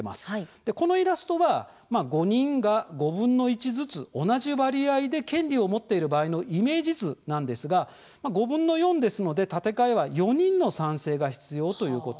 このイラストは５人が５分の１ずつ同じ割合で権利を持っている場合のイメージ図ですが５分の４ですので建て替えは４人の賛成が必要です。